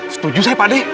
setuju saya pak dek